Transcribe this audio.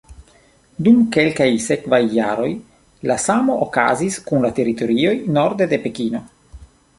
Dum kelkaj sekvaj jaroj la samo okazis kun la teritorioj norde de Pekino.